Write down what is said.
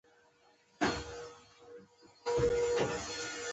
د غرمې سيوری ړنګ و.